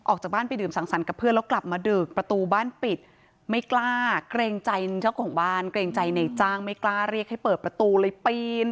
ออกจากบ้านไปดื่มสังสรรค์กับเพื่อนแล้วกลับมาดึกประตูบ้านปิดไม่กล้าเกรงใจเจ้าของบ้านเกรงใจในจ้างไม่กล้าเรียกให้เปิดประตูเลยปีน